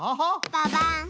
ババン！